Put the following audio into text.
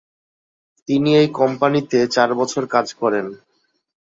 তিনি এই কোম্পানিতে চার বছর কাজ করেন।